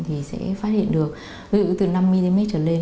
thì sẽ phát hiện được ví dụ từ năm mm trở lên